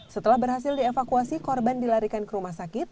setelah berhasil dievakuasi korban dilarikan ke rumah sakit